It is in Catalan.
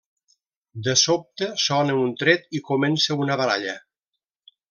De sobte, sona un tret i comença una baralla.